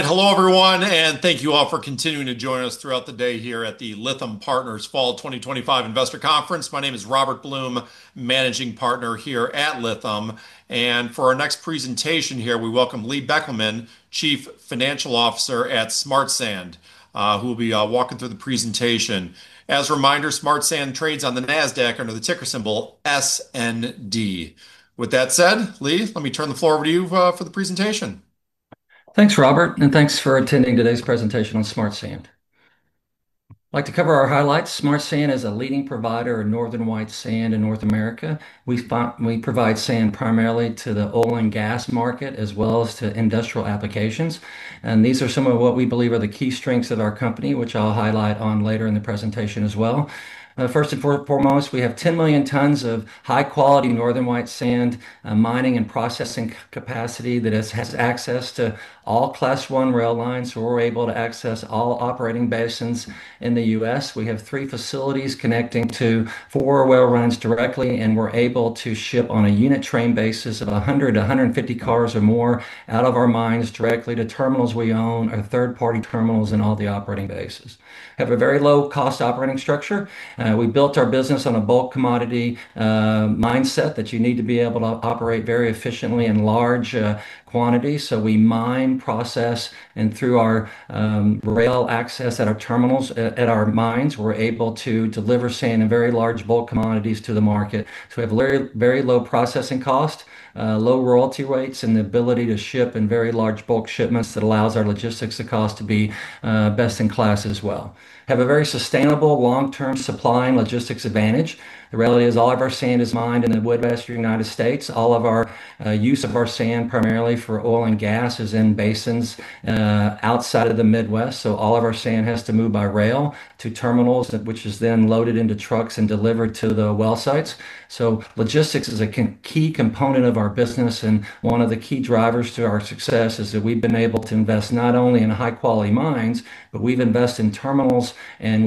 All right, hello everyone, and thank you all for continuing to join us throughout the day here at the Lytham Partners Fall 2025 Investor Conference. My name is Robert Bloom, Managing Partner here at Lytham. For our next presentation here, we welcome Lee Beckelman, Chief Financial Officer at Smart Sand, who will be walking through the presentation. As a reminder, Smart Sand trades on the NASDAQ under the ticker symbol SND. With that said, Lee, let me turn the floor over to you for the presentation. Thanks, Robert, and thanks for attending today's presentation on Smart Sand. I'd like to cover our highlights. Smart Sand is a leading provider of northern white sand in North America. We provide sand primarily to the oil and gas market, as well as to industrial applications. These are some of what we believe are the key strengths of our company, which I'll highlight later in the presentation as well. First and foremost, we have 10 million tons of high-quality northern white sand mining and processing capacity that has access to all Class 1 rail lines, so we're able to access all operating basins in the U.S. We have three facilities connecting to four rail runs directly, and we're able to ship on a unit train basis of 100 to 150 cars or more out of our mines directly to terminals we own or third-party terminals in all the operating basins. We have a very low-cost operating structure. We built our business on a bulk commodity mindset that you need to be able to operate very efficiently in large quantities. We mine, process, and through our rail access at our terminals, at our mines, we're able to deliver sand in very large bulk quantities to the market. We have very low processing costs, low royalty rates, and the ability to ship in very large bulk shipments that allow our logistics costs to be best in class as well. We have a very sustainable long-term supply and logistics advantage. The reality is all of our sand is mined in the Midwest, United States. All of our use of our sand primarily for oil and gas is in basins outside of the Midwest. All of our sand has to move by rail to terminals, which is then loaded into trucks and delivered to the well sites. Logistics is a key component of our business, and one of the key drivers to our success is that we've been able to invest not only in high-quality mines, but we've invested in terminals and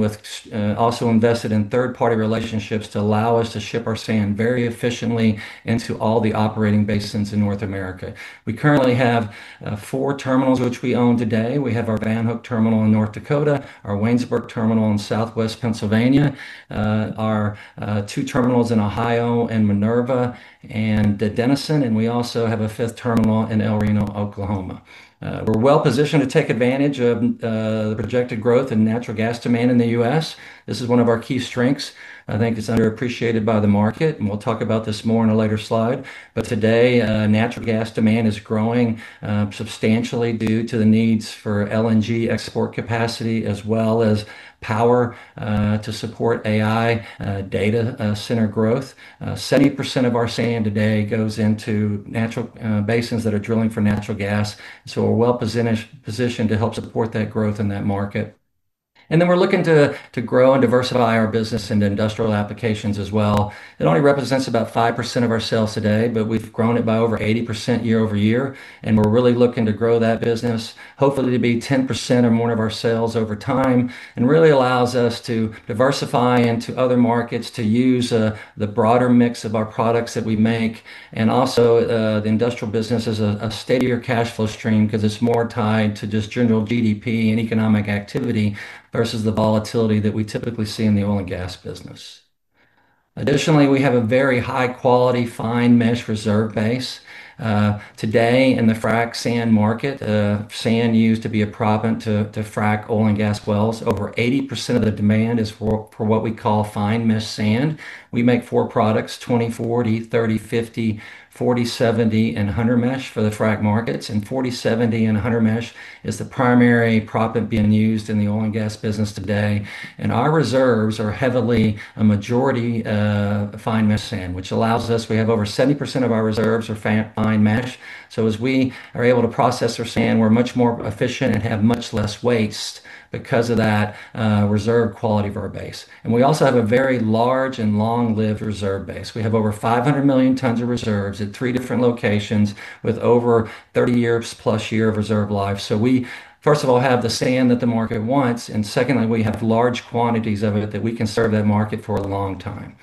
also invested in third-party relationships to allow us to ship our sand very efficiently into all the operating basins in North America. We currently have four terminals which we own today. We have our Van Hook Terminal in North Dakota, our Waynesburg Terminal in Southwest Pennsylvania, our two terminals in Ohio in Minerva and Denison, and we also have a fifth terminal in El Reno, Oklahoma. We're well positioned to take advantage of the projected growth in natural gas demand in the U.S. This is one of our key strengths. I think it's underappreciated by the market, and we'll talk about this more in a later slide. Today, natural gas demand is growing substantially due to the needs for LNG export capacity as well as power to support AI data center growth. 70% of our sand today goes into natural basins that are drilling for natural gas. We're well positioned to help support that growth in that market. We're looking to grow and diversify our business into industrial applications as well. It only represents about 5% of our sales today, but we've grown it by over 80% year over year, and we're really looking to grow that business, hopefully to be 10% or more of our sales over time. It really allows us to diversify into other markets to use the broader mix of our products that we make and also the industrial business as a steadier cash flow stream because it's more tied to just general GDP and economic activity versus the volatility that we typically see in the oil and gas business. Additionally, we have a very high-quality fine mesh reserve base today in the frac sand market. Sand used to be a product to frac oil and gas wells. Over 80% of the demand is for what we call fine mesh sand. We make four products: 20/40, 30/50, 40/70, and 100 mesh for the frac markets. 40/70 and 100 mesh is the primary product being used in the oil and gas business today. Our reserves are heavily a majority of fine mesh sand, which allows us to have over 70% of our reserves of fine mesh. As we are able to process our sand, we're much more efficient and have much less waste because of that reserve quality of our base. We also have a very large and long-lived reserve base. We have over 500 million tons of reserves at three different locations with over 30+ years of reserve life. We, first of all, have the sand that the market wants, and secondly, we have large quantities of it that we can serve that market for a long time.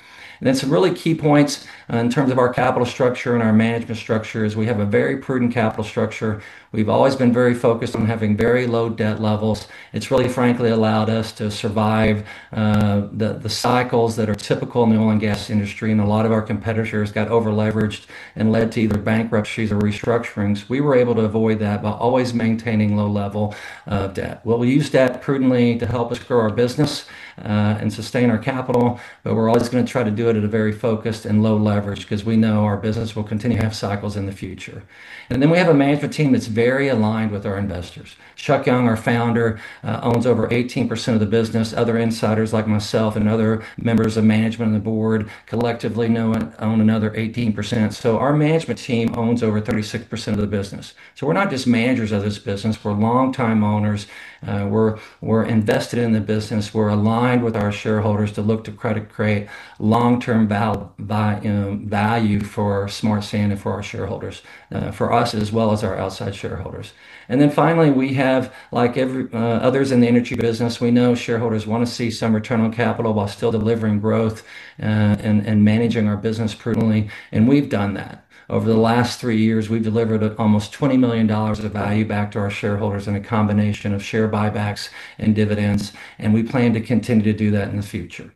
Some really key points in terms of our capital structure and our management structure is we have a very prudent capital structure. We've always been very focused on having very low debt levels. It's really, frankly, allowed us to survive the cycles that are typical in the oil and gas industry, and a lot of our competitors got over-leveraged and led to either bankruptcies or restructurings. We were able to avoid that by always maintaining low level debt. We'll use debt prudently to help us grow our business and sustain our capital, but we're always going to try to do it at a very focused and low leverage because we know our business will continue to have cycles in the future. We have a management team that's very aligned with our investors. Chuck Young, our founder, owns over 18% of the business. Other insiders like myself and other members of management and the board collectively own another 18%. Our management team owns over 36% of the business. We're not just managers of this business. We're long-time owners. We're invested in the business. We're aligned with our shareholders to look to create long-term value for Smart Sand and for our shareholders, for us as well as our outside shareholders. Finally, like every other in the energy business, we know shareholders want to see some return on capital while still delivering growth and managing our business prudently. We've done that. Over the last three years, we've delivered almost $20 million of value back to our shareholders in a combination of share buybacks and dividends, and we plan to continue to do that in the future.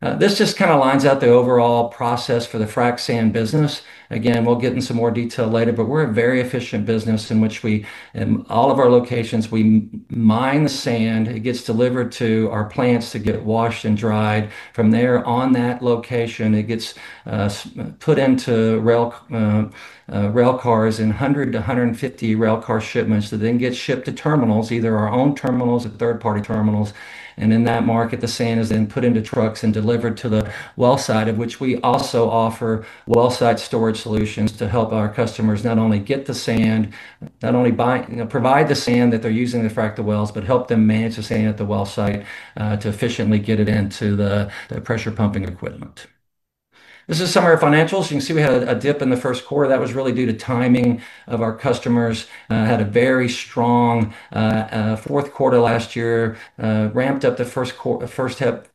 This just kind of lines out the overall process for the frac sand business. We'll get into some more detail later, but we're a very efficient business in which, in all of our locations, we mine the sand. It gets delivered to our plants to get washed and dried. From there, on that location, it gets put into rail cars in 100 to 150 rail car shipments that then get shipped to terminals, either our own terminals or third-party terminals. In that market, the sand is then put into trucks and delivered to the well site, of which we also offer well-site storage solutions to help our customers not only get the sand, not only provide the sand that they're using to frac the wells, but help them manage the sand at the well site to efficiently get it into their pressure pumping equipment. This is some of our financials. You can see we had a dip in the first quarter. That was really due to timing of our customers. Had a very strong fourth quarter last year, ramped up the first half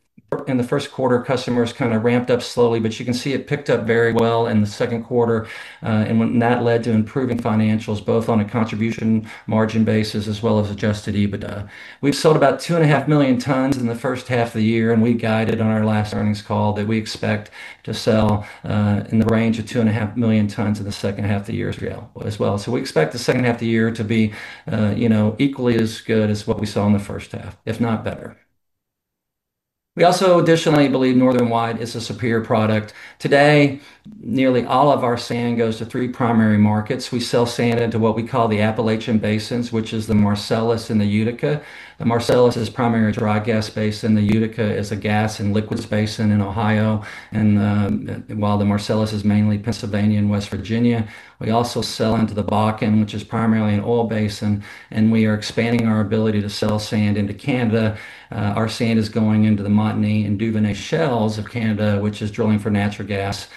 in the first quarter. Customers kind of ramped up slowly, but you can see it picked up very well in the second quarter, and that led to improving financials both on a contribution margin basis as well as adjusted EBITDA. We've sold about 2.5 million tons in the first half of the year, and we guided on our last earnings call that we expect to sell in the range of 2.5 million tons in the second half of the year as well. We expect the second half of the year to be equally as good as what we saw in the first half, if not better. We also additionally believe northern white is a superior product. Today, nearly all of our sand goes to three primary markets. We sell sand into what we call the Appalachian basins, which is the Marcellus and the Utica. The Marcellus is a primary dry gas basin. The Utica is a gas and liquids basin in Ohio. While the Marcellus is mainly Pennsylvania and West Virginia, we also sell into the Bakken, which is primarily an oil basin, and we are expanding our ability to sell sand into Canada. Our sand is going into the Montney and Duvernay shales of Canada, which is drilling for natural gas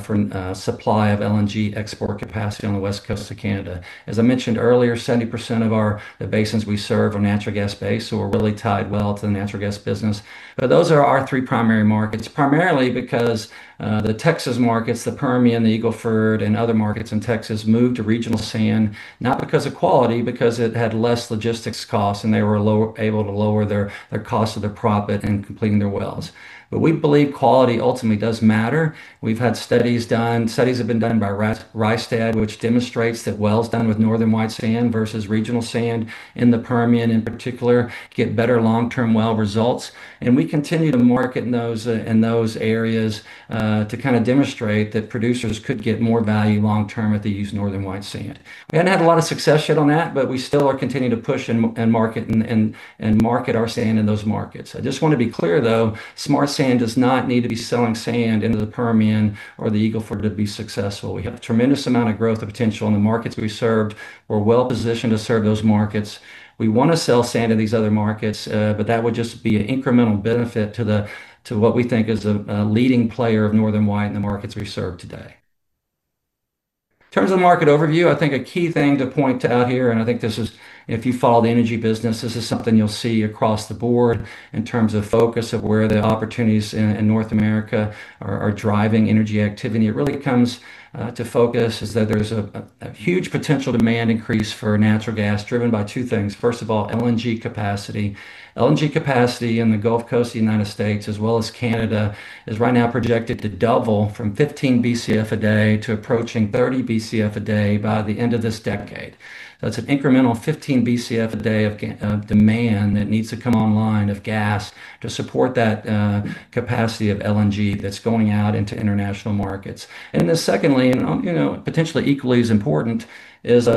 for supply of LNG export capacity on the West Coast of Canada. As I mentioned earlier, 70% of the basins we serve are natural gas-based, so we're really tied well to the natural gas business. Those are our three primary markets, primarily because the Texas markets, the Permian, the Eagle Ford, and other markets in Texas moved to regional sand, not because of quality, because it had less logistics costs, and they were able to lower their cost of their profit in completing their wells. We believe quality ultimately does matter. We've had studies done. Studies have been done by Rystad, which demonstrates that wells done with northern white sand versus regional sand in the Permian in particular get better long-term well results. We continue to market in those areas to kind of demonstrate that producers could get more value long-term if they use northern white sand. We haven't had a lot of success yet on that, but we still are continuing to push and market our sand in those markets. I just want to be clear, though, Smart Sand does not need to be selling sand into the Permian or the Eagle Ford to be successful. We have a tremendous amount of growth and potential in the markets we serve. We're well positioned to serve those markets. We want to sell sand to these other markets, but that would just be an incremental benefit to what we think is a leading player of northern white in the markets we serve today. In terms of the market overview, I think a key thing to point out here, and I think this is, if you follow the energy business, this is something you'll see across the board in terms of focus of where the opportunities in North America are driving energy activity. It really comes to focus is that there's a huge potential demand increase for natural gas driven by two things. First of all, LNG capacity. LNG capacity in the Gulf Coast of the United States, as well as Canada, is right now projected to double from 15 Bcf a day to approaching 30 Bcf a day by the end of this decade. That's an incremental 15 Bcf a day of demand that needs to come online of gas to support that capacity of LNG that's going out into international markets. Secondly, and potentially equally as important, is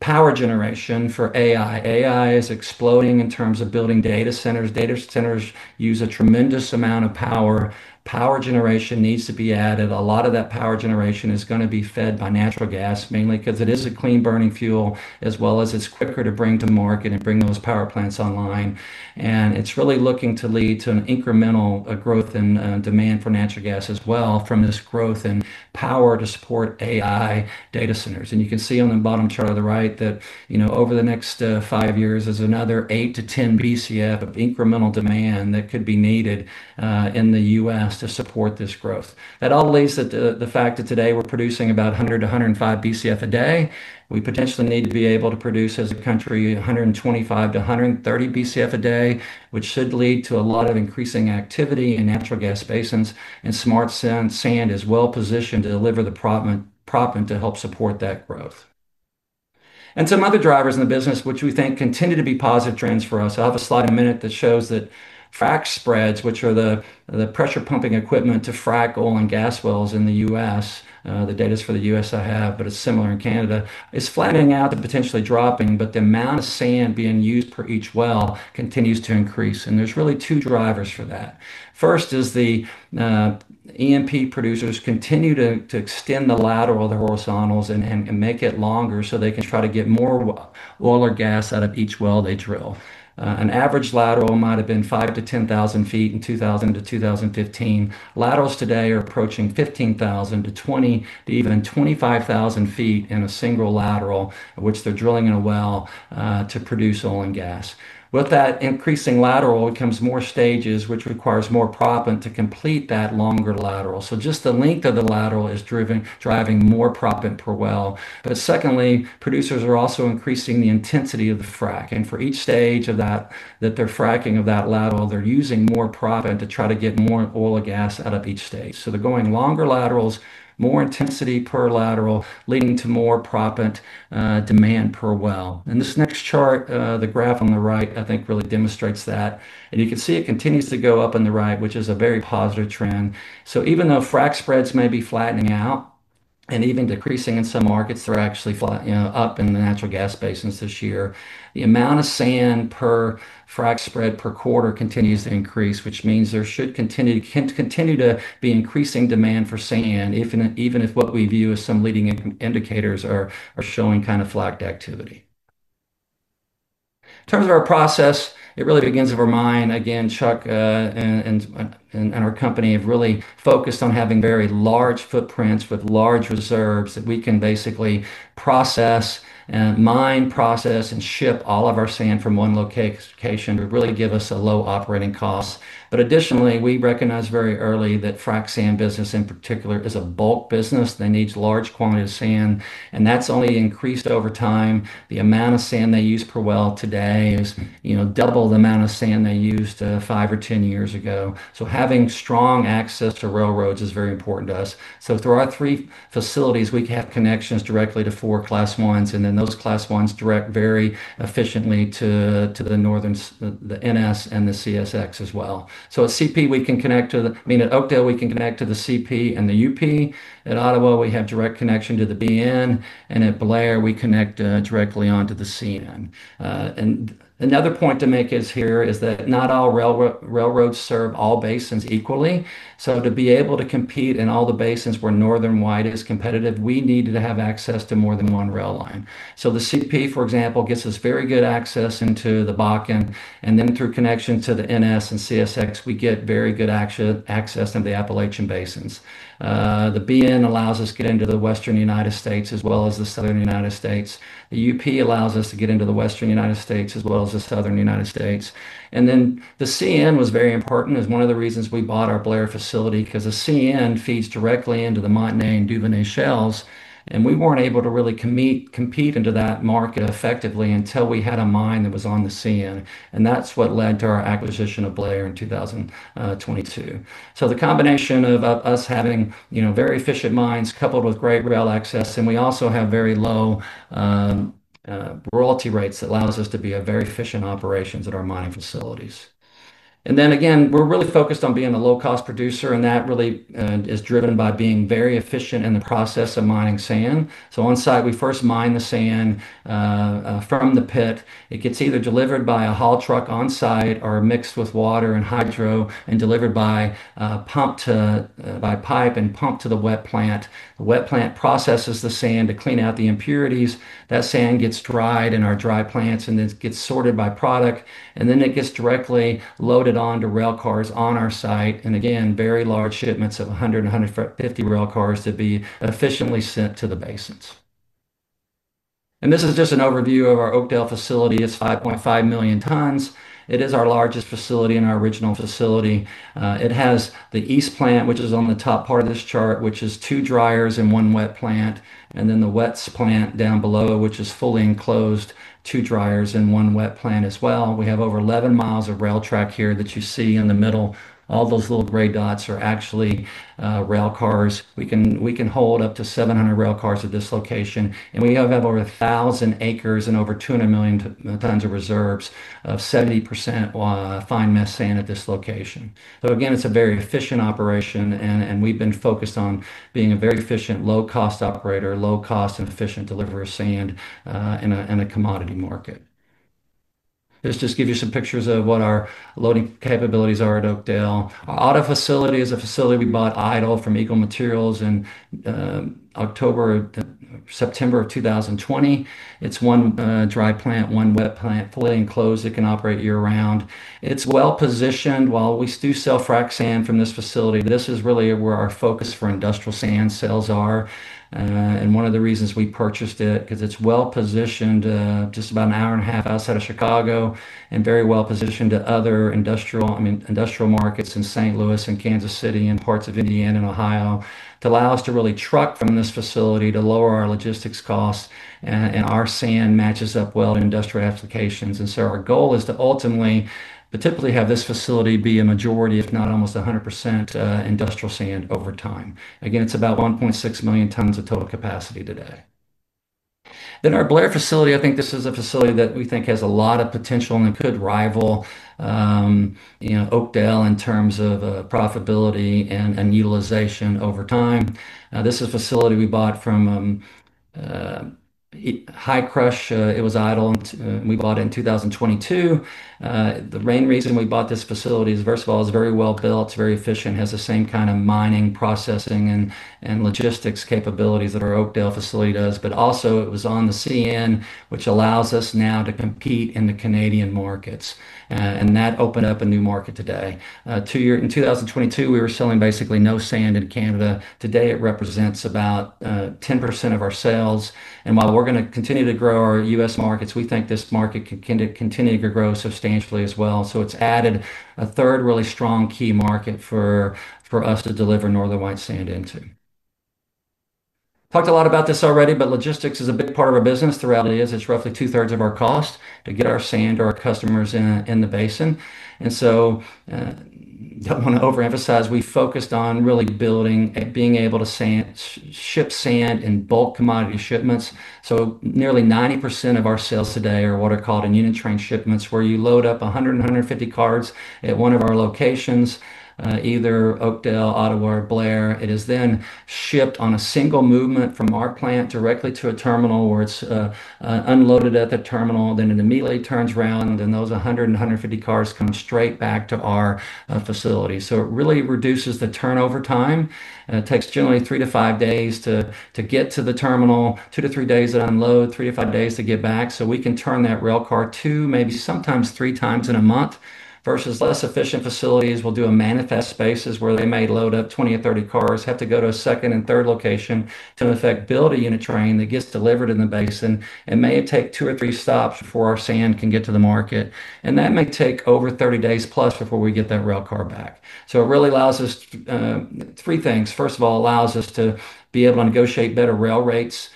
power generation for AI. AI is exploding in terms of building data centers. Data centers use a tremendous amount of power. Power generation needs to be added. A lot of that power generation is going to be fed by natural gas, mainly because it is a clean burning fuel, as well as it's quicker to bring to market and bring those power plants online. It's really looking to lead to an incremental growth in demand for natural gas as well from this growth in power to support AI data centers. You can see on the bottom chart on the right that over the next five years, there's another 8 to 10 Bcf of incremental demand that could be needed in the U.S. to support this growth. That all leads to the fact that today we're producing about 100 to 105 Bcf a day. We potentially need to be able to produce as a country 125 to 130 Bcf a day, which should lead to a lot of increasing activity in natural gas basins. Smart Sand is well positioned to deliver the prop and to help support that growth. Some other drivers in the business, which we think continue to be positive trends for us. I'll have a slide in a minute that shows that frack spreads, which are the pressure pumping equipment to frac oil and gas wells in the U.S. The data is for the U.S. I have, but it's similar in Canada, is flattening out and potentially dropping, but the amount of sand being used per each well continues to increase. There are really two drivers for that. First is the EMP producers continue to extend the lateral of the horizontals and make it longer so they can try to get more oil or gas out of each well they drill. An average lateral might have been 5,000 to 10,000 feet in 2000 to 2015. Laterals today are approaching 15,000 to 20,000 to even 25,000 feet in a single lateral, which they're drilling in a well to produce oil and gas. With that increasing lateral, it becomes more stages, which requires more proppant to complete that longer lateral. Just the length of the lateral is driving more proppant per well. Producers are also increasing the intensity of the frac. For each stage of that, that they're fracking of that lateral, they're using more proppant to try to get more oil or gas out of each stage. They're going longer laterals, more intensity per lateral, leading to more proppant demand per well. This next chart, the graph on the right, I think really demonstrates that. You can see it continues to go up on the right, which is a very positive trend. Even though frack spreads may be flattening out and even decreasing in some markets, they're actually up in the natural gas basins this year. The amount of sand per frack spread per quarter continues to increase, which means there should continue to be increasing demand for sand, even if what we view as some leading indicators are showing kind of flagged activity. In terms of our process, it really begins with our mine. Again, Chuck and our company have really focused on having very large footprints with large reserves that we can basically process, mine, process, and ship all of our sand from one location to really give us a low operating cost. Additionally, we recognize very early that the frac sand business in particular is a bulk business that needs large quantities of sand, and that's only increased over time. The amount of sand they use per well today is double the amount of sand they used five or ten years ago. Having strong access to railroads is very important to us. Through our three facilities, we have connections directly to four Class 1s, and then those Class 1s direct very efficiently to the Northern, the NS, and the CSX as well. At Oakdale, we can connect to the CP and the UP. At Ottawa, we have direct connection to the BN, and at Blair, we connect directly onto the CN. Another point to make here is that not all railroads serve all basins equally. To be able to compete in all the basins where northern white is competitive, we need to have access to more than one rail line. The CP, for example, gets us very good access into the Bakken, and then through connection to the NS and CSX, we get very good access into the Appalachian basins. The BN allows us to get into the Western United States as well as the Southern United States. The UP allows us to get into the Western United States as well as the Southern United States. The CN was very important as one of the reasons we bought our Blair facility, because the CN feeds directly into the Montney and Duvernay shales, and we weren't able to really compete into that market effectively until we had a mine that was on the CN. That's what led to our acquisition of Blair in 2022. The combination of us having very efficient mines coupled with great rail access, and we also have very low royalty rates that allow us to be very efficient operations at our mining facilities. We're really focused on being a low-cost producer, and that really is driven by being very efficient in the process of mining sand. On site, we first mine the sand from the pit. It gets either delivered by a haul truck on site or mixed with water and hydro, and delivered by pipe and pumped to the wet plant. The wet plant processes the sand to clean out the impurities. That sand gets dried in our dry plants, and it gets sorted by product. It gets directly loaded onto rail cars on our site, and again, very large shipments of 100 to 150 rail cars to be efficiently sent to the basins. This is just an overview of our Oakdale facility. It's 5.5 million tons. It is our largest facility in our regional facility. It has the east plant, which is on the top part of this chart, which is two dryers and one wet plant, and then the west plant down below, which is fully enclosed, two dryers and one wet plant as well. We have over 11 miles of rail track here that you see in the middle. All those little gray dots are actually rail cars. We can hold up to 700 rail cars at this location, and we have over 1,000 acres and over 200 million tons of reserves of 70% fine mesh sand at this location. It's a very efficient operation, and we've been focused on being a very efficient, low-cost operator, low-cost and efficient delivery of sand in a commodity market. This just gives you some pictures of what our loading capabilities are at Oakdale. Our Ottawa facility is a facility we bought idle from Eagle Materials in September of 2020. It's one dry plant, one wet plant, fully enclosed. It can operate year-round. It's well positioned. While we do sell frac sand from this facility, this is really where our focus for industrial sand sales are. One of the reasons we purchased it is because it's well positioned just about an hour and a half outside of Chicago and very well positioned to other industrial markets in St. Louis and Kansas City and parts of Indiana and Ohio to allow us to really truck from this facility to lower our logistics costs, and our sand matches up well to industrial applications. Our goal is to ultimately typically have this facility be a majority, if not almost 100% industrial sand over time. Again, it's about 1.6 million tons of total capacity today. Our Blair facility, I think this is a facility that we think has a lot of potential and could rival Oakdale in terms of profitability and utilization over time. This is a facility we bought from High-Crush. It was idle. We bought it in 2022. The main reason we bought this facility is, first of all, it's very well built. It's very efficient, has the same kind of mining processing and logistics capabilities that our Oakdale facility does, but also it was on the CN, which allows us now to compete in the Canadian markets. That opened up a new market today. In 2022, we were selling basically no sand in Canada. Today, it represents about 10% of our sales. While we're going to continue to grow our U.S. markets, we think this market can continue to grow substantially as well. It's added a third really strong key market for us to deliver northern white sand into. Talked a lot about this already, but logistics is a big part of our business. Throughout, it's roughly two-thirds of our cost to get our sand to our customers in the basin. I don't want to overemphasize. We focused on really building and being able to ship sand in bulk commodity shipments. Nearly 90% of our sales today are what are called unit train shipments, where you load up 100 and 150 cars at one of our locations, either Oakdale, Ottawa, or Blair. It is then shipped on a single movement from our plant directly to a terminal where it's unloaded at the terminal. It immediately turns around, and then those 100 and 150 cars come straight back to our facility. It really reduces the turnover time. It takes generally three to five days to get to the terminal, two to three days to unload, three to five days to get back. We can turn that rail car two, maybe sometimes three times in a month versus less efficient facilities that will do a manifest space where they may load up 20 or 30 cars, have to go to a second and third location to in effect build a unit train that gets delivered in the basin. It may take two or three stops before our sand can get to the market, and that may take over 30 days plus before we get that rail car back. It really allows us three things. First of all, it allows us to be able to negotiate better rail rates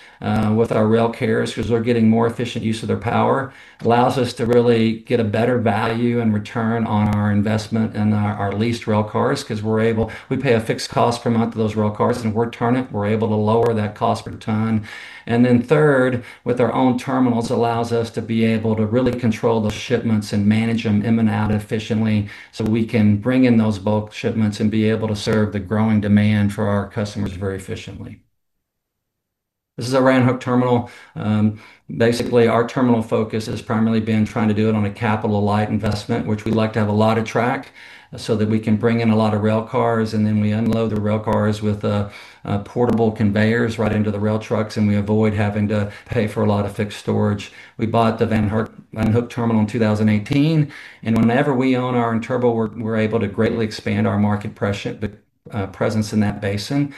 with our rail carriers because they're getting more efficient use of their power. It allows us to really get a better value and return on our investment in our leased rail cars because we pay a fixed cost per month to those rail cars, and we're turning it. We're able to lower that cost per ton. Third, with our own terminals, it allows us to be able to really control those shipments and manage them in and out efficiently so we can bring in those bulk shipments and be able to serve the growing demand for our customers very efficiently. This is our Van Hook Terminal. Basically, our terminal focus has primarily been trying to do it on a capital-light investment, which we like to have a lot of track so that we can bring in a lot of rail cars, and then we unload the rail cars with portable conveyors right into the rail trucks, and we avoid having to pay for a lot of fixed storage. We bought the Van Hook Terminal in 2018, and whenever we own our own terminal, we're able to greatly expand our market presence in that basin.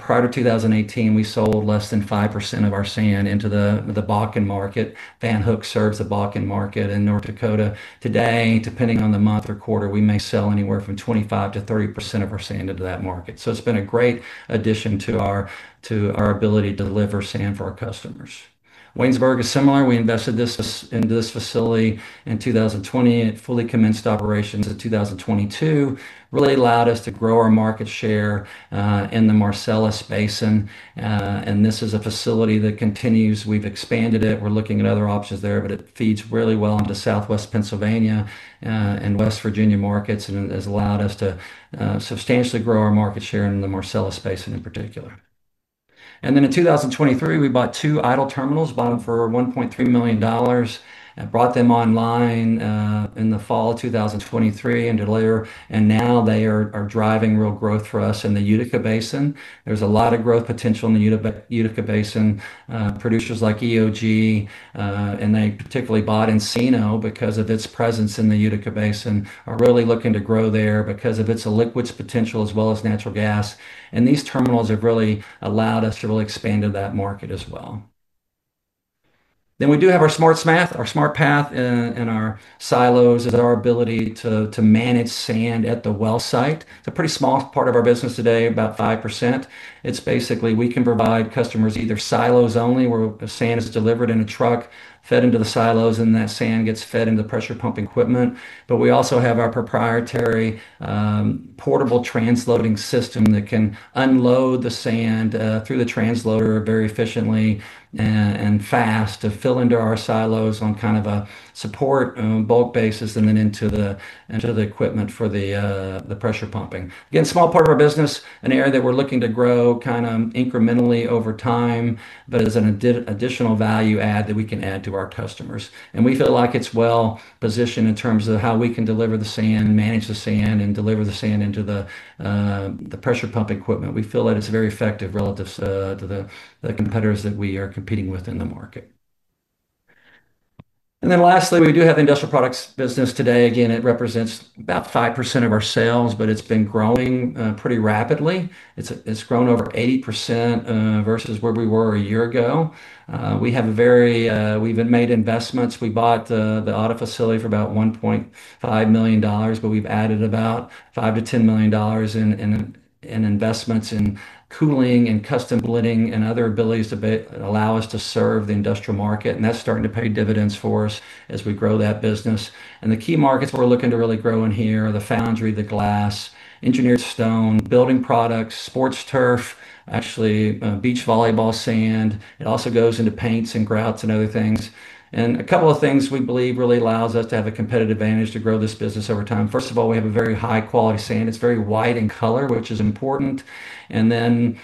Prior to 2018, we sold less than 5% of our sand into the Bakken market. Van Hook serves the Bakken market in North Dakota. Today, depending on the month or quarter, we may sell anywhere from 25%-30% of our sand into that market. It's been a great addition to our ability to deliver sand for our customers. Waynesburg is similar. We invested in this facility in 2020. It fully commenced operations in 2022. It really allowed us to grow our market share in the Marcellus basin. This is a facility that continues. We've expanded it. We're looking at other options there, but it feeds really well into Southwest Pennsylvania and West Virginia markets, and it has allowed us to substantially grow our market share in the Marcellus basin in particular. In 2023, we bought two idle terminals, bought them for $1.3 million. I brought them online in the fall of 2023 and earlier, and now they are driving real growth for us in the Utica basin. There's a lot of growth potential in the Utica basin. Producers like EOG, and they particularly bought Encino because of its presence in the Utica basin, are really looking to grow there because of its liquids potential as well as natural gas. These terminals have really allowed us to really expand to that market as well. We do have our Smart Path and our silos and our ability to manage sand at the well site. It's a pretty small part of our business today, about 5%. Basically, we can provide customers either silos only where sand is delivered in a truck, fed into the silos, and that sand gets fed into the pressure pumping equipment. We also have our proprietary portable transloading system that can unload the sand through the transloader very efficiently and fast to fill into our silos on kind of a support boat basis and then into the equipment for the pressure pumping. Again, a small part of our business, an area that we're looking to grow kind of incrementally over time, but is an additional value add that we can add to our customers. We feel like it's well positioned in terms of how we can deliver the sand, manage the sand, and deliver the sand into the pressure pumping equipment. We feel that it's very effective relative to the competitors that we are competing with in the market. Lastly, we do have the industrial products business today. Again, it represents about 5% of our sales, but it's been growing pretty rapidly. It's grown over 80% versus where we were a year ago. We have made investments. We bought the Ottawa facility for about $1.5 million, but we've added about $5 million-$10 million in investments in cooling and custom blending and other abilities to allow us to serve the industrial market. That's starting to pay dividends for us as we grow that business. The key markets we're looking to really grow in here are the foundry, the glass, engineered stone, building products, sports turf, actually beach volleyball sand. It also goes into paints and grouts and other things. A couple of things we believe really allow us to have a competitive advantage to grow this business over time. First of all, we have a very high-quality sand. It's very white in color, which is important. Because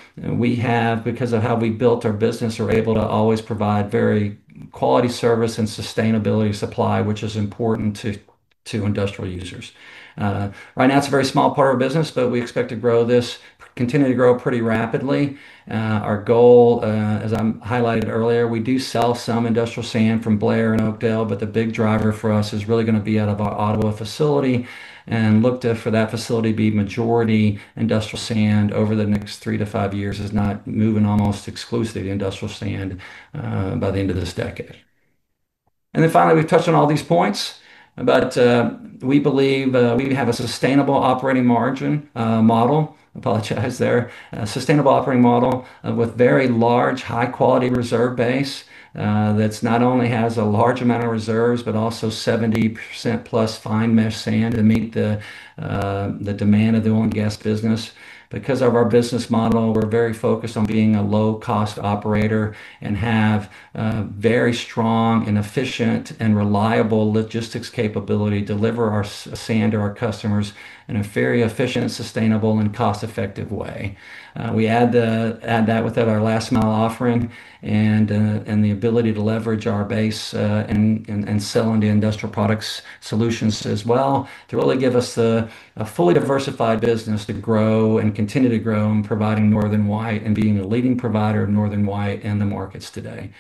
of how we built our business, we're able to always provide very quality service and sustainable supply, which is important to industrial users. Right now, it's a very small part of our business, but we expect to grow this, continue to grow pretty rapidly. Our goal, as I highlighted earlier, we do sell some industrial sand from Blair and Oakdale, but the big driver for us is really going to be out of our Ottawa facility. We look for that facility to be majority industrial sand over the next three to five years, if not moving almost exclusively to industrial sand by the end of this decade. We've touched on all these points, but we believe we have a sustainable operating model with a very large, high-quality reserve base that not only has a large amount of reserves, but also 70%+ fine mesh sand to meet the demand of the oil and gas business. Because of our business model, we're very focused on being a low-cost operator and have very strong, efficient, and reliable logistics capability to deliver our sand to our customers in a very efficient, sustainable, and cost-effective way. We add that with our last mile offering and the ability to leverage our base and sell into industrial product solutions as well to really give us a fully diversified business to grow and continue to grow, providing northern white and being a leading provider of northern white in the markets today.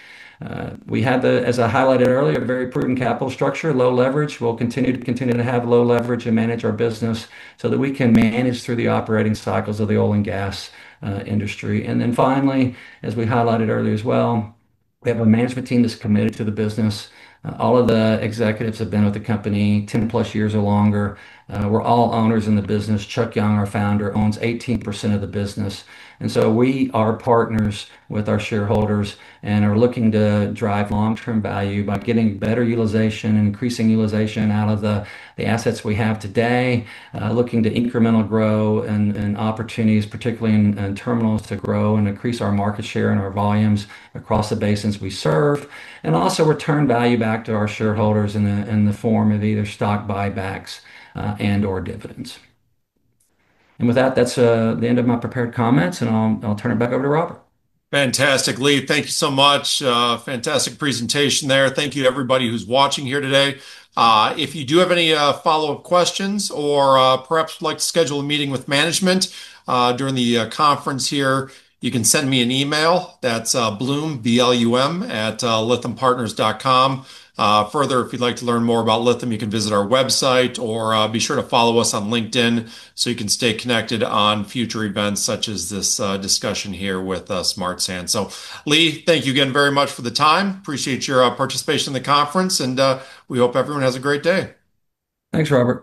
As I highlighted earlier, we have a very prudent capital structure, low leverage. We'll continue to have low leverage and manage our business so that we can manage through the operating cycles of the oil and gas industry. As we highlighted earlier as well, we have a management team that's committed to the business. All of the executives have been with the company 10+ years or longer. We're all owners in the business. Chuck Young, our founder, owns 18% of the business. We are partners with our shareholders and are looking to drive long-term value by getting better utilization and increasing utilization out of the assets we have today, looking to incremental growth and opportunities, particularly in terminals, to grow and increase our market share and our volumes across the basins we serve, and also return value back to our shareholders in the form of either stock buybacks and/or dividends. That is the end of my prepared comments, and I'll turn it back over to Robert. Fantastic, Lee. Thank you so much. Fantastic presentation there. Thank you to everybody who's watching here today. If you do have any follow-up questions or perhaps would like to schedule a meeting with management during the conference here, you can send me an email. That's bloom@lythampartners.com. Further, if you'd like to learn more about Lytham, you can visit our website or be sure to follow us on LinkedIn so you can stay connected on future events such as this discussion here with Smart Sand. Lee, thank you again very much for the time. Appreciate your participation in the conference, and we hope everyone has a great day. Thanks, Robert.